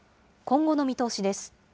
今後の見通しです。